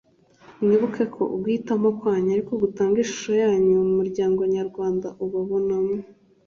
mwibuke ko uguhitamo kwanyu ari ko gutanga ishusho yanyu umuryango nyarwanda ubabonamo